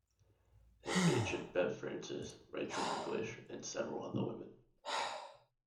It featured Bev Francis, Rachel McLish, and several other women.